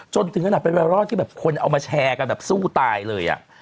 จนถึงขนาดเป็นแบบการเปิดรอดที่คนเอามาแชร์กันสู้ตายเลย